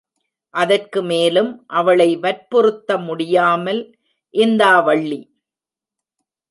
அதற்கு மேலும் அவளை வற்புறுத்த முடியாமல், இந்தா வள்ளி!